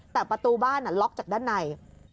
แต่ประตูบ้านล็อกจากด้านใน